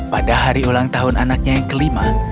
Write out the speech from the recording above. pada hari ulang tahun anaknya yang kelima